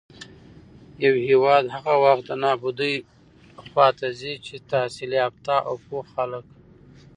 يـو هېـواد هـغه وخـت د نـابـودۍ خـواتـه ځـي چـې تحـصيل يافتـه او پـوه خلـک